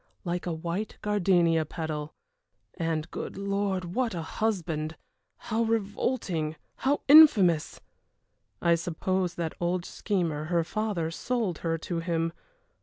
like a white gardenia petal and, good Lord, what a husband! How revolting, how infamous! I suppose that old schemer, her father, sold her to him.